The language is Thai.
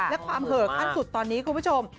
และความเหอะขั้นสุดตอนนี้คุณผู้ชม